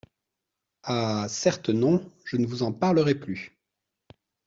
Ah ! certes non, je ne vous en parlerai plus.